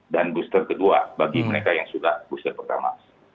dan booster kedua bagi mereka yang sudah booster pertama